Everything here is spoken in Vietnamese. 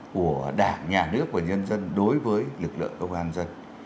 của đảng nhà nước nhân dân đối với lực lượng công an nhân dân